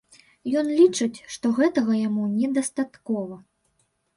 Ён лічыць, што гэтага яму недастаткова.